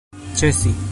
ĉesi